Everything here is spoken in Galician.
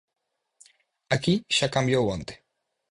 Aquí xa cambiou onte.